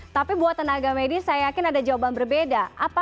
tapi buat tenaga medis saya yakin ada jawaban berbeda